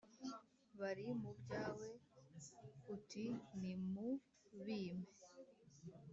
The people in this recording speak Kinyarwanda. bari mu byawe uti : nimubimpe.